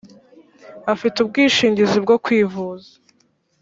afite ubwishingizi bwo kwivuza.